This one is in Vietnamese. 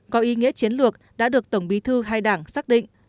có ý nghĩa chiến lược đã được tổng bí thư hai đảng xác định